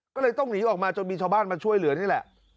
ก็เลยต้องหนีออกมาจนมีชาวบ้านมาช่วยเหลือนี่แหละ